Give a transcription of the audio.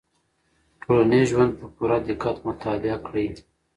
ټولنیز ژوند په پوره دقت مطالعه کړئ.